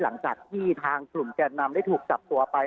หลังจากที่ทางกลุ่มแก่นนำได้ถูกจับตัวไป